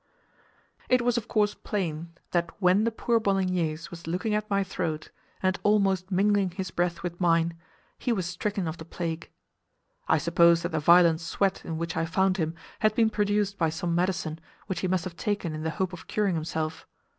It was of course plain that when the poor Bolognese was looking at my throat, and almost mingling his breath with mine, he was stricken of the plague. I suppose that the violent sweat in which I found him had been produced by some medicine, which he must have taken in the hope of curing himself.